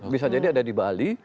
bisa jadi ada di bali